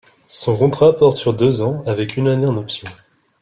Son contrat porte sur deux ans avec une année en option.